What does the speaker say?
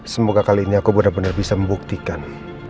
semoga kali ini aku benar benar bisa membuktikan